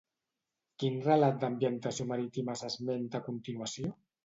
Quin relat d'ambientació marítima s'esmenta a continuació?